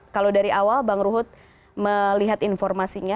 kalau dari awal bang ruhut melihat informasinya